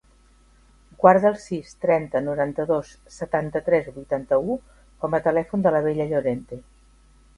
Guarda el sis, trenta, noranta-dos, setanta-tres, vuitanta-u com a telèfon de la Bella Llorente.